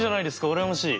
羨ましい。